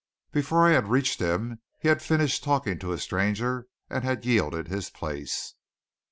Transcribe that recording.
Before I had reached him he had finished talking to a stranger, and had yielded his place.